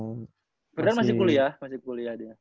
sebenarnya masih kuliah masih kuliah dia